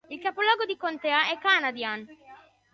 Il capoluogo di contea è Canadian.